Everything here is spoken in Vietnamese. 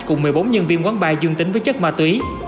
cùng một mươi bốn nhân viên quán bar dương tính với chất ma túy